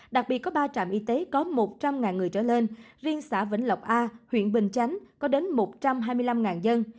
đặc biệt có ba trạm y tế có một trăm linh người trở lên riêng xã vĩnh lộc a huyện bình chánh có đến một trăm hai mươi năm dân